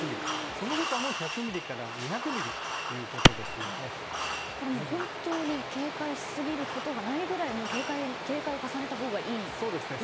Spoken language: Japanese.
その他も１００ミリから２００ミリということですのでこれ、本当に警戒し過ぎることがないくらい警戒に警戒を重ねたほうがいい雨量ということですね。